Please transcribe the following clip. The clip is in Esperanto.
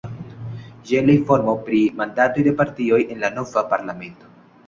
Jen la informo pri mandatoj de partioj en la nova parlamento.